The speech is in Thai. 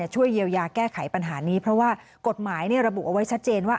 ช่วยเยียวยาแก้ไขปัญหานี้เพราะว่ากฎหมายระบุเอาไว้ชัดเจนว่า